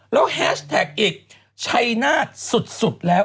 แล้วแฮชแท็กอีกชัยนาธสุดแล้ว